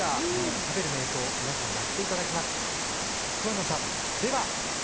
食べる瞑想を皆さんにやっていただきます。